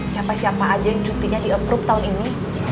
siapa siapa aja yang cutinya di approop tahun ini